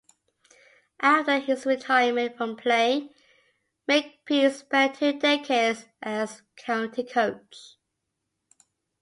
After his retirement from playing, Makepeace spent two decades as county coach.